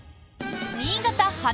新潟発！